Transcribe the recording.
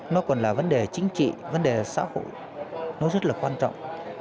nó còn là vấn đề chính trị vấn đề xã hội nó rất là quan trọng